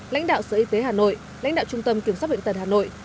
lãnh đạo sở y tế hà nội lãnh đạo trung tâm kiểm soát bệnh tật hà nội